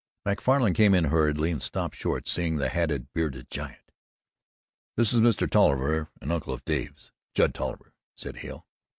Macfarlan came in hurriedly and stopped short seeing the hatted, bearded giant. "This is Mr. Tolliver an uncle of Dave's Judd Tolliver," said Hale.